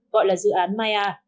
gọi là dự án maya